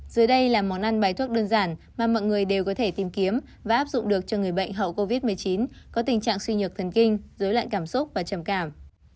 dưới đây là món ăn bài thuốc đơn giản mà mọi người đều có thể tìm kiếm và áp dụng được cho người bệnh hậu covid một mươi chín có tình trạng suy nhược thần kinh dưới lại cảm xúc và trầm cảm